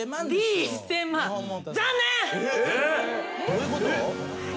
どういうこと？